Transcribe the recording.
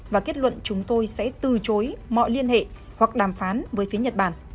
và kết luận chúng tôi sẽ từ chối mọi liên hệ hoặc đàm phán với phía nhật bản